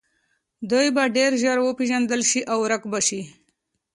دوی به ډیر ژر وپیژندل شي او ورک به شي